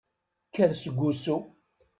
Kker seg usu!